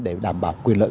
để đảm bảo quyền lợi